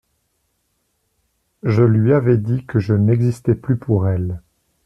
Je lui avais dit que je n'existais plus pour elle.